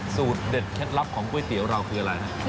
สูตรเด็ดเคล็ดลับของก๋วยเตี๋ยวเราคืออะไรฮะ